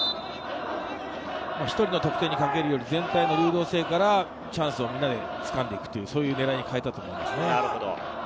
１人の得点にかけるより全体の流動性からチャンスをつかんでいく、そういう狙いに変えたと思います。